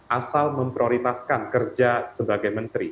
asal memprioritaskan kerja sebagai menteri